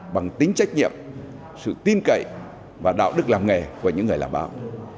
bằng tính trách nhiệm sự tin cậy và đạo đức làm nghề của những người làm báo